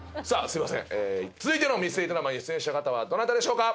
すいません続いてのミステリードラマに出演者した方はどなたでしょうか？